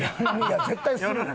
絶対するよ。